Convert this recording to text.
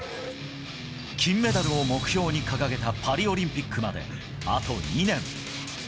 金メダルを目標に掲げたパリオリンピックまであと２年。